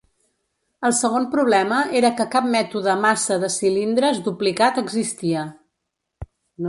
El segon problema era que cap mètode massa de cilindres duplicat existia.